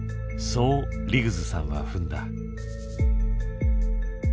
そうリグズさんは踏んだ。